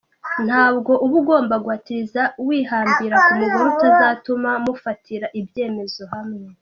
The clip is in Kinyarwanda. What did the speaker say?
Ntabwo uba ugomba guhatiriza wihambira ku mugore utazatuma mufatira ibyemezo hamwe.